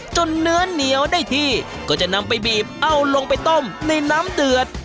เนื้อเหนียวได้ที่ก็จะนำไปบีบเอาลงไปต้มในน้ำเดือด